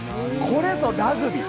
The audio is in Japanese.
これぞラグビー。